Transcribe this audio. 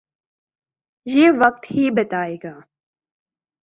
یہ وقت ہی بتائے گا۔